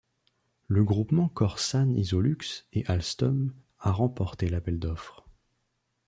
Le groupement Corsan Isolux et Alstom a remporté l'appel d'offres.